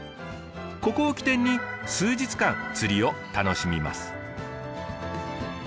ここを起点に数日間釣りを楽しみます。